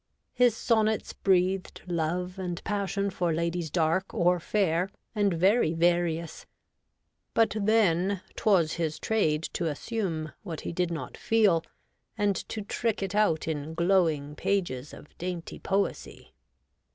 His sonnets breathed love and passion for ladies dark or fair, and very various ; but then 'twas his trade to assume what he did not feel, and to trick it out in glowing pages of dainty poesy.